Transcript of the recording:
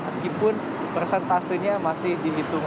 meskipun persentasenya masih dimitung